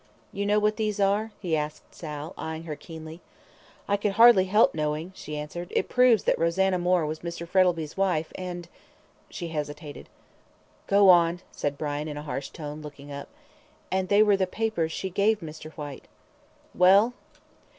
"You know what these are?" he asked Sal, eyeing her keenly. "I could hardly help knowing," she answered; "it proves that Rosanna Moore was Mr. Frettlby's wife, and " she hesitated. "Go on," said Brian, in a harsh tone, looking up. "And they were the papers she gave Mr. Whyte." "Well!"